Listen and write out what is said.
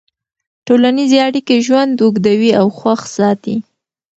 ټولنیزې اړیکې ژوند اوږدوي او خوښ ساتي.